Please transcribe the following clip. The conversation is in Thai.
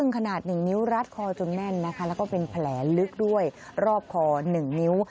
ขนาด๑นิ้วรัดคอจนแน่นนะคะแล้วก็เป็นแผลลึกด้วยรอบคอ๑นิ้ว